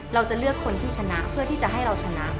เราจะเลือกคนที่ชนะเพื่อที่จะให้เราชนะ